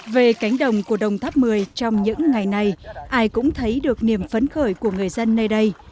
về cánh đồng của đồng tháp một mươi trong những ngày này ai cũng thấy được niềm phấn khởi của người dân nơi đây